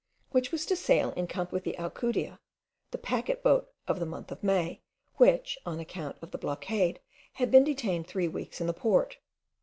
which was to sail in company with the Alcudia, the packet boat of the month of May, which, on account of the blockade, had been detained three weeks in the port.